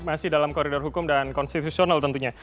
masih dalam koridor hukum dan konstitusional tentunya